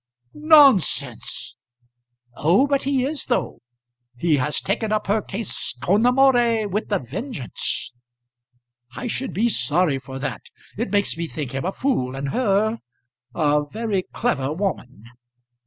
"Nonsense!" "Oh, but he is though. He has taken up her case con amore with a vengeance." "I should be sorry for that. It makes me think him a fool, and her a very clever woman."